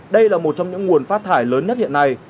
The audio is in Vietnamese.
đây là một trong những nguồn phát thải lớn nhất hiện nay